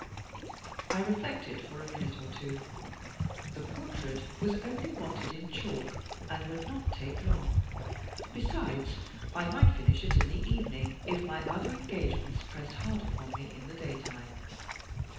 I reflected for a minute or two. The portrait was only wanted in chalk, and would not take long; besides, I might finish it in the evening, if my other engagements pressed hard upon me in the daytime.